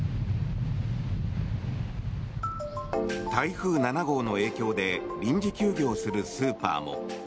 台風７号の影響で臨時休業するスーパーも。